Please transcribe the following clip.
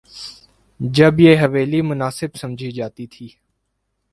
جب یہ حویلی مناسب سمجھی جاتی تھی۔